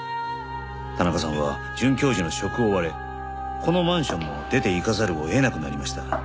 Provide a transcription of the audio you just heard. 田中さんは准教授の職を追われこのマンションも出ていかざるを得なくなりました。